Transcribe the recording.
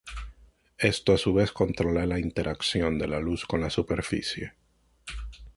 Esto a su vez controla la interacción de la luz con la superficie.